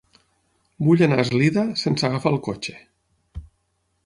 Vull anar a Eslida sense agafar el cotxe.